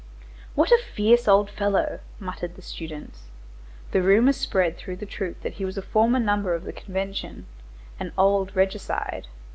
"What a fierce old fellow!" muttered the students. The rumor spread through the troop that he was a former member of the Convention,—an old regicide.